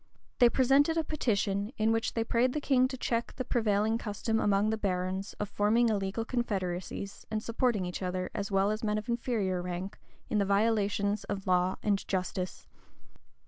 They presented a petition, in which they prayed the king to check the prevailing custom among the barons of forming illegal confederacies, and supporting each other, as well as men of inferior rank, in the violations of law and justice.